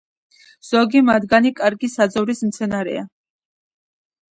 ზოგი მათგანი კარგი საძოვრის მცენარეა.